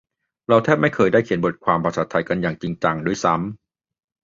เราแทบไม่เคยได้เขียนบทความภาษาไทยกันอย่างจริงจังด้วยซ้ำ